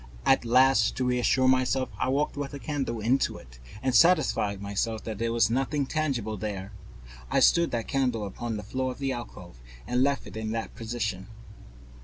And to reassure myself, I walked with a candle into it and satisfied myself that there was nothing tangible there. I stood that candle upon the floor of the alcove and left it in that position.